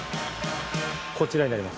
こちらになります。